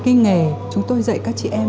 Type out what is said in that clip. kinh nghề chúng tôi dạy các chị em